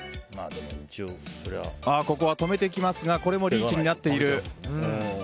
ここは止めていきますがリーチになっている。